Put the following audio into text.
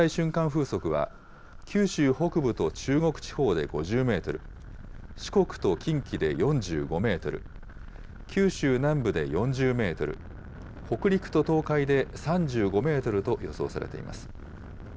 風速は、九州北部と中国地方で５０メートル、四国と近畿で４５メートル、九州南部で４０メートル、北陸と東海で３５メートルと予想されています。